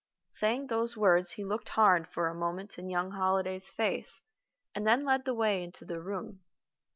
Saying those words, he looked hard, for a moment, in young Holliday's face, and then led the way into the room.